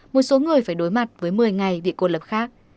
một số người phải đối mặt với một mươi ngày bị cô lập khác